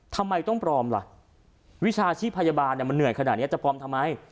ทำไมต้องปลอมล่ะวิชาชีพพยาบาลมันเหนื่อยขนาดนี้จะปลอมทำไม